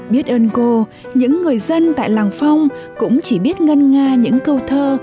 biết ơn cô những người dân tại làng phong cũng chỉ biết ngân nga những câu thơ